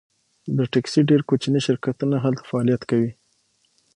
د ټکسي ډیر کوچني شرکتونه هلته فعالیت کوي